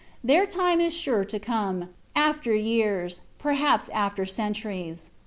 Their time is sure to come, after years, perhaps after centuries.